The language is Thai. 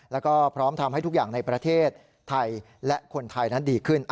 แล้วก็พร้อมทำให้ทุกอย่างในประเทศไทยและคนไทยนั้นดีขึ้น